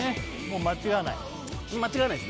もう間違わない？